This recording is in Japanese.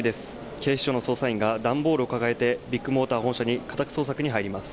警視庁の捜査員が、段ボールを抱えてビッグモーター本社に家宅捜索に入ります。